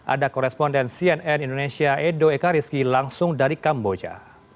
ada koresponden cnn indonesia edo ekariski langsung dari kamboja